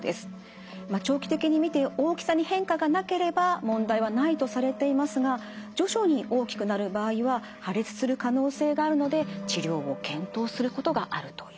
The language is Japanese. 長期的に見て大きさに変化がなければ問題はないとされていますが徐々に大きくなる場合は破裂する可能性があるので治療を検討することがあるということです。